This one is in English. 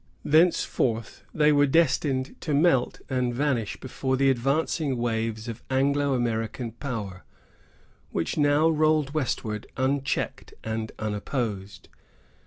Thenceforth they were destined to melt and vanish before the advancing waves of Anglo American power, which now rolled westward unchecked and unopposed.